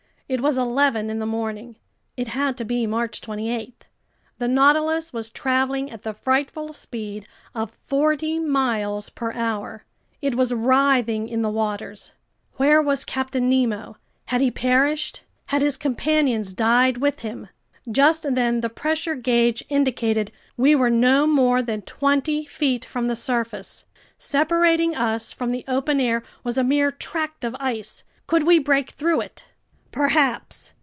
It was eleven in the morning. It had to be March 28. The Nautilus was traveling at the frightful speed of forty miles per hour. It was writhing in the waters. Where was Captain Nemo? Had he perished? Had his companions died with him? Just then the pressure gauge indicated we were no more than twenty feet from the surface. Separating us from the open air was a mere tract of ice. Could we break through it? Perhaps!